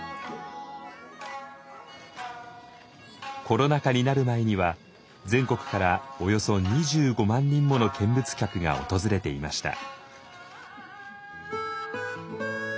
コロナ禍になる前には全国からおよそ２５万人もの見物客が訪れていました。